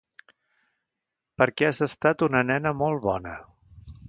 Perquè has estat una nena molt bona.